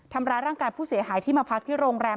ทำร้ายร่างกายผู้เสียหายที่มาพักที่โรงแรม